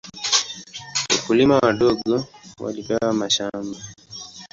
Wakulima wadogo walipewa mashamba.